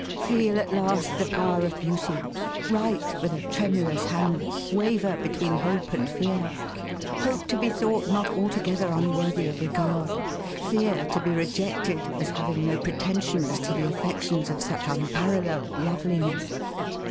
Feel at last the power of beauty — Write with a tremulous hand ; waver between hope and fear. Hope to be thougiit not alto gether unworthy of regard : fear to be rejected as having no pretensions to the affections of such unparall eled loveliness.